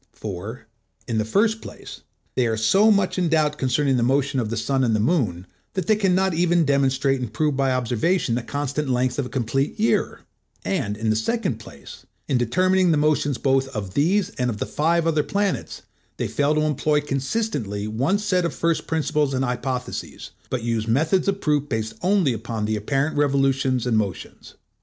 For, in the first place, they are so much in doubt concerning the motion of the sun and the moon, that they can not even demonstrate and prove by observation the constant length of a complete year; and in the second place, in determining the motions both of these and of the five other planets, they fail to employ consistently one set of first principles and hypotheses, but use methods of proof based only upon the apparent revolutions and motions.